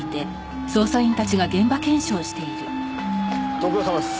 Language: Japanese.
ご苦労さまです。